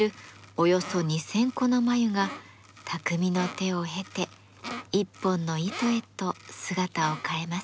およそ２，０００個の繭が匠の手を経て一本の糸へと姿を変えます。